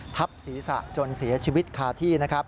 ทับศีรษะจนเสียชีวิตคาที่นะครับ